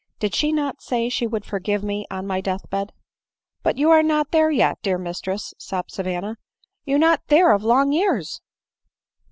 " Did she not say she would forgive me on my death bed ?"" But you not there yet, dear missess," sobbed Savanna ;" you not there of long years